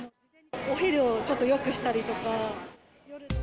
お昼をちょっとよくしたりとか。